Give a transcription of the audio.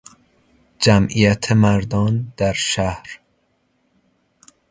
جمعیت مردان در شهر